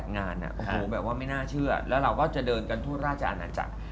๗๘งานไม่น่าเชื่อแล้วเราก็จะเดินกันทั่วราชอาณาจักร